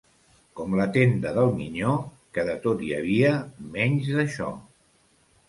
Com la tenda del Minyó, que de tot hi havia menys d'això.